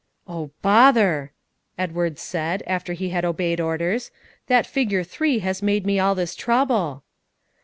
"Oh, bother!" Edward said, after he had obeyed orders; "that figure three has made me all this trouble."